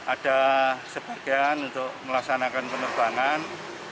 ada sebagian untuk melaksanakan penerbangan